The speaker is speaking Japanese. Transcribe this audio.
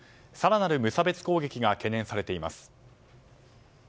更なる無差別攻撃が懸念されています。